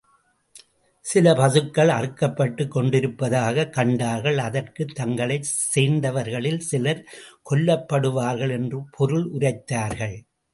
சில பசுக்கள் அறுக்கப்பட்டுக் கொண்டிருப்பதாகக் கண்டார்கள் அதற்குத் தங்களைச் சேர்ந்தவர்களில் சிலர் கொல்லப்படுவார்கள் என்று பொருள் உரைத்தார்கள்.